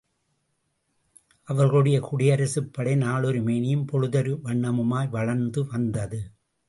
அவர்களுடைய குடியரசுப் படை நாளொருமேனியும் பொழுதொரு வண்ணமுமாய் வளர்ந்து வந்தது.